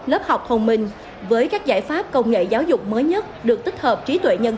lớp học thông minh với các giải pháp công nghệ giáo dục mới nhất được tích hợp trí tuệ nhân